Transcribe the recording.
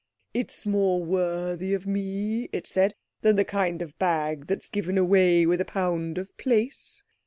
"It's more worthy of me," it said, "than the kind of bag that's given away with a pound of plaice.